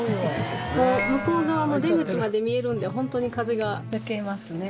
向こう側の出口まで見えるんでホントに風が抜けますね。